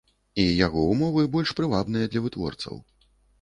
І яго ўмовы больш прывабныя для вытворцаў.